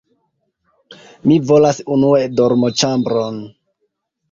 Mi volas unue dormoĉambron.